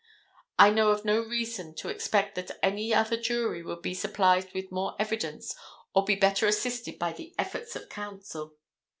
I know of no reason to expect that any other jury could be supplied with more evidence or be better assisted by the efforts of counsel.